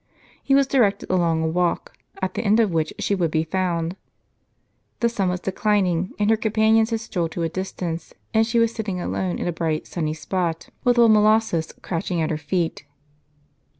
He was directed along a walk, at the end of which she would be found. The sun was declining, and her companions had strolled to a distance, and she was sitting alone in a bright sunny spot, with old Molossus crouching at her feet.